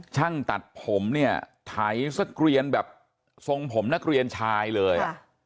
ช่างตัดผมเนี่ยไถสักเกรียนแบบทรงผมนักเรียนชายเลย